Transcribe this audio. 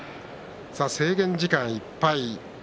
制限時間いっぱい。